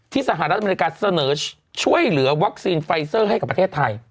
สหรัฐอเมริกาเสนอช่วยเหลือวัคซีนไฟเซอร์ให้กับประเทศไทย